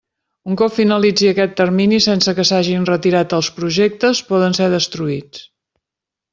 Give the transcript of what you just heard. Un cop finalitzi aquest termini sense que s'hagin retirat els projectes, poden ser destruïts.